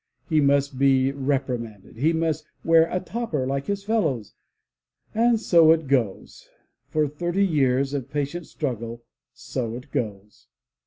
He must be repri manded! He must wear a '* topper like his fellows! And so it goes. For thirty years of patient struggle, so it goes.